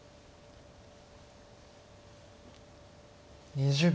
２０秒。